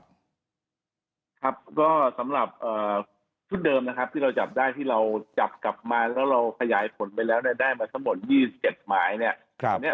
ครับครับก็สำหรับชุดเดิมนะครับที่เราจับได้ที่เราจับกลับมาแล้วเราขยายผลไปแล้วเนี่ยได้มาทั้งหมด๒๗หมายเนี่ย